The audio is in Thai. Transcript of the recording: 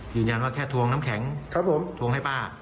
ยืนยันว่าแค่ทวงน้ำแข็งครับผมทวงให้ป้า